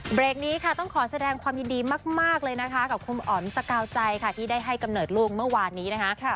เบรกนี้ค่ะต้องขอแสดงความยินดีมากเลยนะคะกับคุณอ๋อมสกาวใจค่ะที่ได้ให้กำเนิดลูกเมื่อวานนี้นะคะ